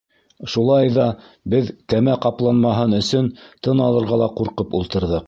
Шулай ҙа беҙ кәмә ҡапланмаһын өсөн тын алырға ла ҡурҡып ултырҙыҡ.